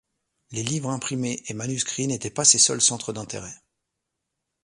Les livres imprimés et manuscrits n'étaient pas ses seuls centres d'intérêt.